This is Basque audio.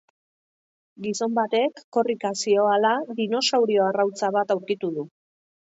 Gizon batek, korrika zihoala, dinosaurio arrautza bat aurkitu du.